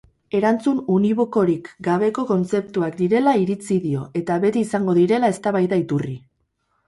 Erantzun unibokorik gabeko kontzeptuak direla iritzi dio eta beti izango direla eztabaida iturri.